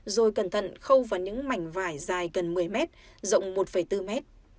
rồi cẩn thận khâu vào những mảnh vải dài gần một mươi mét rộng một bốn mét